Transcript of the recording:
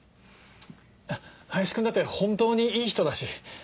林君だって本当にいい人だし。